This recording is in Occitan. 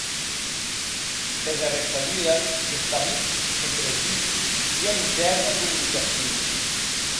E de ressabuda s'establic entre es dus ua intèrna comunicacion.